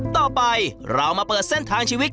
ต่อไปเรามาเปิดเส้นทางชีวิต